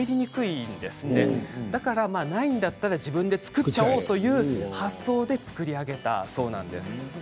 そこで、ないんだったら自分で作ってしまおうという発想で作り上げたそうなんです。